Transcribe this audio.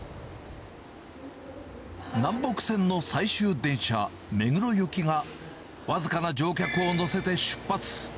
南北線の最終電車、目黒行きが僅かな乗客を乗せて出発。